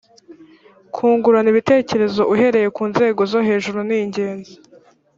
kungurana ibitekerezo uhereye ku nzego zo hejuru ni ingenzi